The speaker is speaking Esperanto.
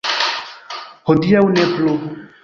Hodiaŭ ne plu.